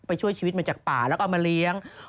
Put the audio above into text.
ช่วยชีวิตมาจากป่าแล้วก็เอามาเลี้ยง